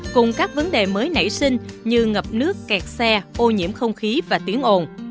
cùng các vấn đề mới nảy sinh như ngập nước kẹt xe ô nhiễm không khí và tiến ô